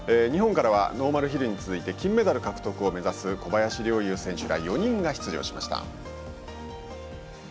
日本からはノーマルヒルに続いて金メダル獲得を目指す小林陵侑選手ら４人が出場しました。